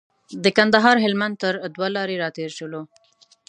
د کندهار هلمند تر دوه لارې راتېر شولو.